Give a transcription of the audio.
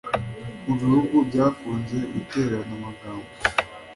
mu bihugu byakunze guterana amagambo